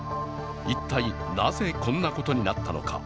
一体なぜこんなことになったのか。